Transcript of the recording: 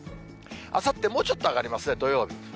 あさって、もうちょっと上がりますね、土曜日。